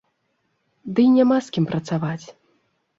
Дый няма з кім працаваць.